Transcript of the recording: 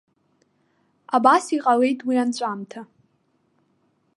Абас иҟалеит уи анҵәамҭа.